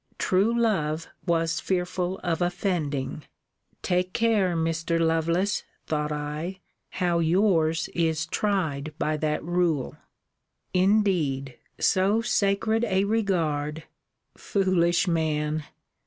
True love was fearful of offending. [Take care, Mr. Lovelace, thought I, how your's is tried by that rule]. Indeed so sacred a regard [foolish man!